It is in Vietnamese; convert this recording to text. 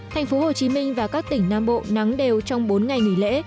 thành phố hồ chí minh và các tỉnh nam bộ nắng đều trong bốn ngày nghỉ lễ